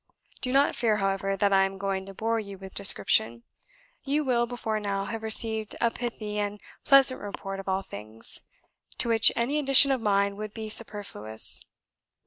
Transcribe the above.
Do not fear, however, that I am going to bore you with description; you will, before now, have received a pithy and pleasant report of all things, to which any addition of mine would be superfluous.